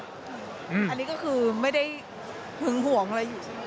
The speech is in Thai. อันนี้ก็คือไม่ได้หึงห่วงอะไรอยู่ใช่ไหม